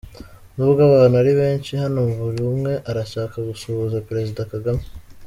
Nubwo abantu ari benshi, hano buri umwe arashaka gusuhuza Perezida Kagame.